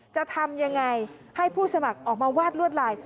จะทำยังไงให้ผู้สมัครออกมาวาดลวดลาย